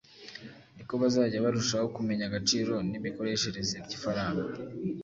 niko bazajya barushaho kumenya agaciro n’imikoreshereze by’ifaranga